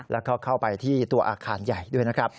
แล้วก็เข้าไปที่ตัวอาคารใหญ่ด้วยนะครับ